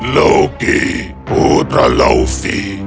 loki putra laufey